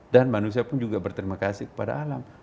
dan manusia pun juga berterima kasih kepada alam